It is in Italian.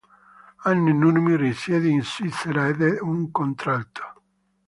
Anne Nurmi risiede in Svizzera ed è un contralto.